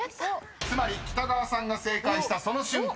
［つまり北川さんが正解したその瞬間